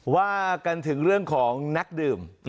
ว่ากันถึงเรื่องของนักดื่ม